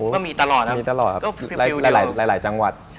ก็มีตลอดครับหลายจังหวัด